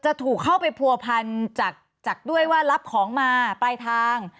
ถูกเข้าไปผัวพันจากด้วยว่ารับของมาปลายทาง